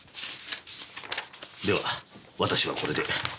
では私はこれで。